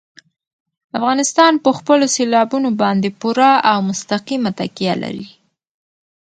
افغانستان په خپلو سیلابونو باندې پوره او مستقیمه تکیه لري.